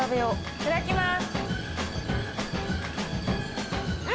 いただきます！